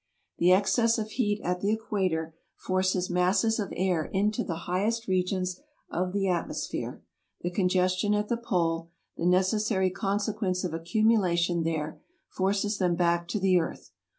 The excess of heat at the equator forces masses of air into the highest regions of the atmosphere ; the congestion at the pole, the necessary consequence of accumulation there, forces them back to the earth.